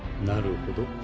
なるほど。